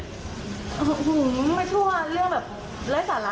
โอ้โหไม่ทั่วเรื่องแบบไร้สาระ